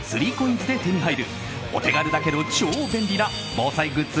３ＣＯＩＮＳで手に入るお手軽だけど超便利な防災グッズ